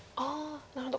なるほど。